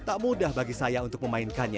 tak mudah bagi saya untuk memainkannya